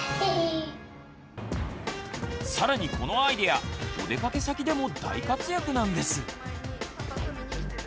さらにこのアイデアお出かけ先でも大活躍なんです。